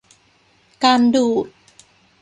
การดูด